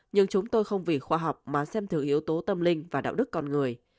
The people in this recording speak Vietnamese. nhưng chúng tôi không vì khoa học mà xem thử yếu tố tâm linh và đạo đức con người